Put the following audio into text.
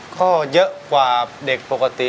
ก็เยอะกว่าเด็กปกติ